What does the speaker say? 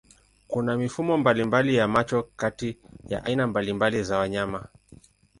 Kuna mifumo mbalimbali ya macho kati ya aina mbalimbali za wanyama.